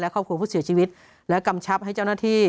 ครอบครัวผู้เสียชีวิตและกำชับให้เจ้าหน้าที่